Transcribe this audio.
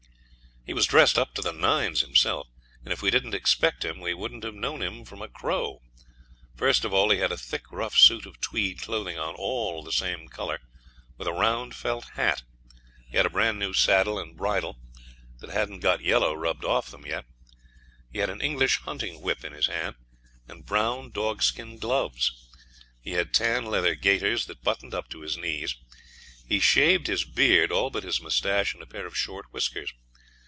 He was dressed up to the nines himself, and if we didn't expect him we wouldn't have known him from a crow. First of all, he had a thick rough suit of tweed clothing on, all the same colour, with a round felt hat. He had a bran new saddle and bridle, that hadn't got the yellow rubbed off them yet. He had an English hunting whip in his hand, and brown dogskin gloves. He had tan leather gaiters that buttoned up to his knees. He'd shaved his beard all but his moustache and a pair of short whiskers.